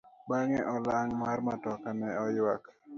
Bang'e olang' mar matoka ne oyuak.